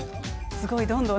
すごいどんどん。